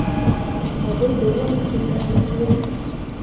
هغوی ته وایم چې څنګه چې یم